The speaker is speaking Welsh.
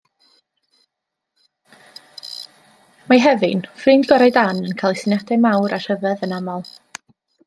Mae Hefin, ffrind gorau Dan, yn cael syniadau mawr a rhyfedd yn aml.